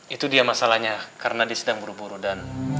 itu dia masalahnya karena dia sedang buru buru dan